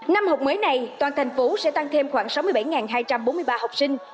năm học mới này toàn thành phố sẽ tăng thêm khoảng sáu mươi bảy hai trăm bốn mươi ba học sinh